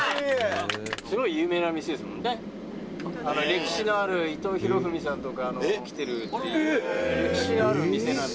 「歴史のある伊藤博文さんとかも来てるっていう歴史ある店なんで」